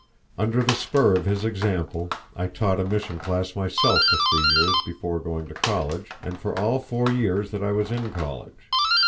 Under the spur of his example I taught a mission class myself for three years before going to college and for all four years that I was in college.